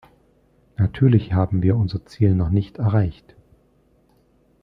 Natürlich haben wir unser Ziel noch nicht erreicht.